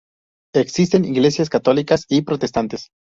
Existen iglesias católicas y protestantes.